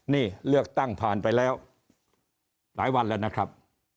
นี่เลือกตั้งผ่านไปแล้วหลายวันแล้วนะครับ